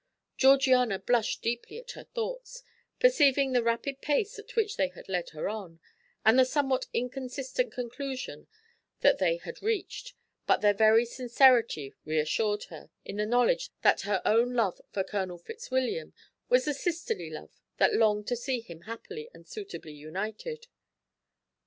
Georgiana blushed deeply at her thoughts, perceiving the rapid pace at which they had led her on, and the somewhat inconsistent conclusion that they had reached, but their very sincerity reassured her, in the knowledge that her own love for Colonel Fitzwilliam was the sisterly love that longed to see him happily and suitably united.